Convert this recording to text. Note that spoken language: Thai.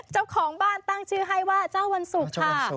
เจ้าของบ้านตั้งชื่อให้ว่าเจ้าวันศุกร์ค่ะ